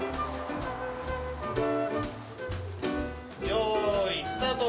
よーいスタート！